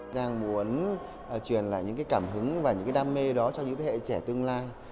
giang muốn truyền lại những cảm hứng và đam mê đó cho những thế hệ trẻ tương lai